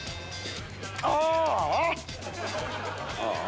ああ！